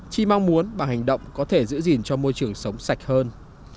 chỉ mong muốn bằng hành động có thể giữ gìn cho môi trường sống sạch hơn